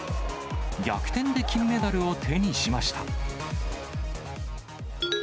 逆転で金メダルを手にしました。